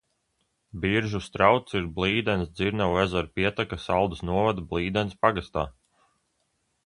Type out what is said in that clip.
Biržu strauts ir Blīdenes dzirnavu ezera pieteka Saldus novada Blīdenes pagastā.